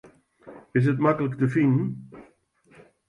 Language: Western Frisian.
Is it maklik te finen?